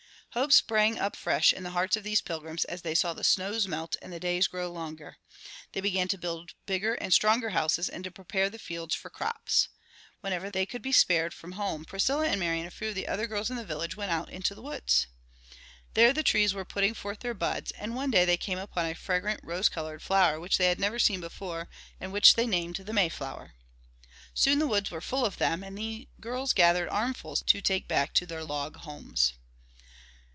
Hope sprang up fresh in the hearts of these Pilgrims as they saw the snows melt and the days grow longer. They began to build bigger and stronger houses and to prepare the fields for crops. Whenever they could be spared from home Priscilla and Mary and the few other girls in the village went out to the woods. There the trees were putting forth their buds, and one day they came upon a fragrant rose colored flower which they had never seen before and which they named the Mayflower. Soon the woods were full of them, and the girls gathered armfuls to take back to their log homes.